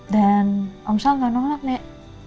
dan om sal gak nolak nek